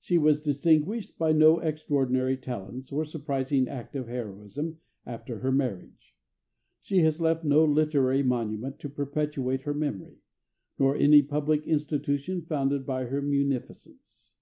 She was distinguished by no extraordinary talents or surprising act of heroism after her marriage; she has left no literary monument to perpetuate her memory, nor any public institution founded by her munificence.